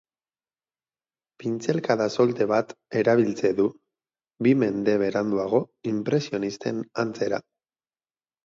Pintzelkada solte bat erabiltze du, bi mende beranduago inpresionisten antzera.